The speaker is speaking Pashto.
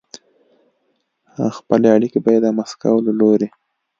خپلې اړیکې به یې د مسکو له لوري